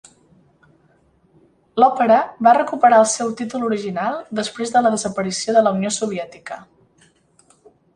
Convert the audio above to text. L'òpera va recuperar el seu títol original després de la desaparició de la Unió Soviètica.